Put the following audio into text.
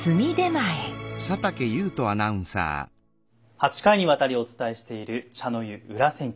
８回にわたりお伝えしている「茶の湯裏千家」。